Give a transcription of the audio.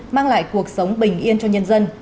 mang lại cuộc sống bình yên cho nhân dân